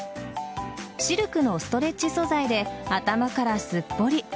シルクのストレッチ素材で頭からすっぽり。